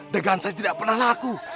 dengan saya tidak pernah laku